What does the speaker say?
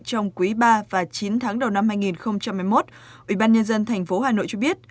trong quý iii và ix tháng đầu năm hai nghìn một mươi một ủy ban nhân dân tp hà nội cho biết